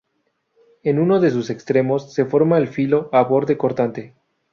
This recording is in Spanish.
En uno de sus extremos, se forma el filo o borde cortante.